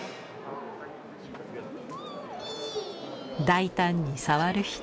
大胆に触る人。